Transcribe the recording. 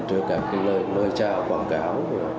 trong các cái lời chào quảng cáo